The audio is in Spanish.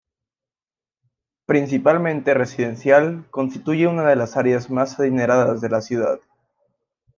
Principalmente residencial, constituye una de las áreas más adineradas de la ciudad.